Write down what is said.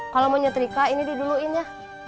kalau mau nyetrika ini diduluin ya